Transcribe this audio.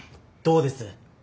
どうです？